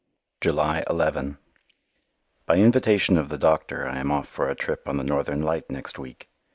July 11 By invitation of the doctor I am off for a trip on the Northern Light next week.